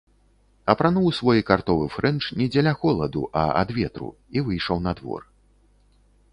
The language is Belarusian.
Апрануў свой картовы фрэнч не дзеля холаду, а ад ветру і выйшаў на двор.